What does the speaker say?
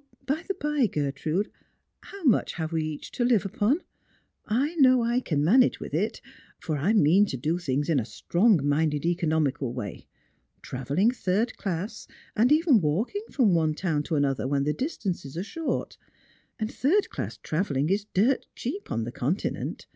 0, by the bye, Grertrn ',d^ iww nrucli have wc each to live upon ? I know I can manage •vAt\v it, for I mean to do things in a strong minded economical way — travelling third class, and even walking from one town to another when the distances are short ; and third class travelling is dirt cheap on the Continent.